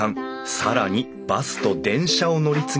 更にバスと電車を乗り継ぎ３時間。